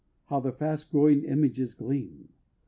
how the fast growing images gleam!